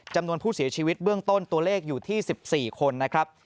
จำนวนผู้เสียชีวิตเบื้องต้นตัวเลขอยู่ที่๑๔คนนะครับ